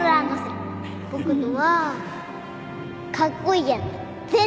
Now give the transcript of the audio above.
僕のはカッコイイやつ絶対